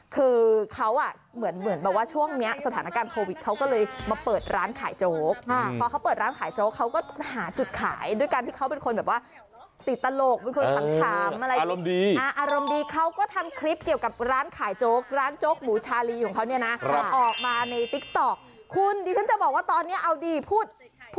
คือเขาอ่ะเหมือนเหมือนแบบว่าช่วงเนี้ยสถานการณ์โควิดเขาก็เลยมาเปิดร้านขายโจ๊กพอเขาเปิดร้านขายโจ๊กเขาก็หาจุดขายด้วยการที่เขาเป็นคนแบบว่าติดตลกเป็นคนขำอะไรอารมณ์ดีอารมณ์ดีเขาก็ทำคลิปเกี่ยวกับร้านขายโจ๊กร้านโจ๊กหมูชาลีของเขาเนี่ยนะออกมาในติ๊กต๊อกคุณดิฉันจะบอกว่าตอนนี้เอาดีพูด